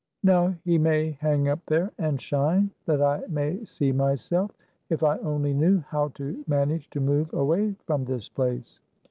Now he may hang up there, and shine, that I may see myself. If I only knew how to manage to move away from this place.